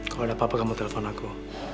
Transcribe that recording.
kalau ada apa apa kamu telpon aku